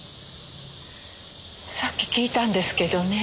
さっき聞いたんですけどね。